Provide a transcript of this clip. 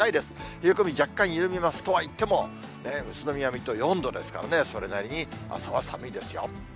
冷え込み若干緩みますとはいっても、宇都宮、水戸は４度ですからね、それなりに朝は寒いですよ。